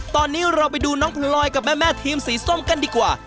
ตอนนี้เราไปดูน้องพลอยกับแม่ทีมสีส้มกันดีกว่า